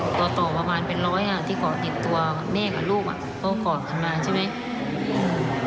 เอาไปตัวต่อประมาณเป็นร้อยที่เกาะติดตัวแม่กับลูกก็เกาะขึ้นมาใช่ไหม